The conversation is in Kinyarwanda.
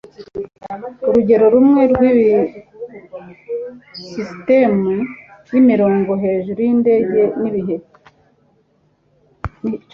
urugero rumwe rwibi sisitemu yimirongo hejuru yindege n’ibihe